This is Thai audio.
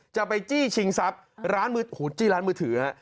จะไปจี้ชิงสับชี่ร้านมือถืออะ